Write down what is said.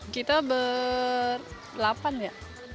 kita berlapan ya